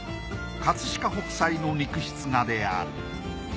飾北斎の肉筆画である。